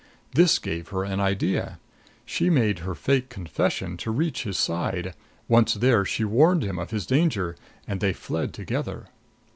This gave her an idea. She made her fake confession to reach his side; once there, she warned him of his danger and they fled together."